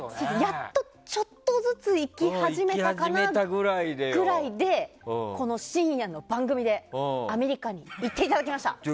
やっと、ちょっとずつ行き始めたかなぐらいでこの深夜の番組でアメリカに行っていただきました。